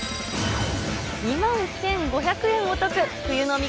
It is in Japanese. ２万１５００円お得。